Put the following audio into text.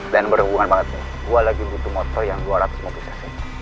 dan berhubungan banget nih gue lagi butuh motor yang dua ratus lima puluh cc